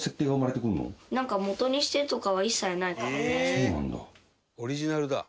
そうなんだ。